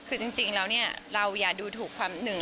คือจริงแล้วเราอยากดูถูกความหนึ่ง